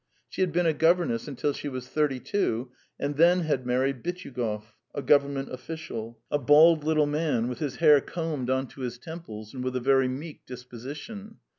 She had been a governess until she was thirty two, and then had married Bityugov, a Government official a bald little man with his hair combed on to his temples and with a very meek disposition.